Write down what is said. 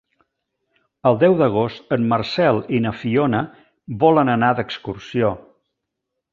El deu d'agost en Marcel i na Fiona volen anar d'excursió.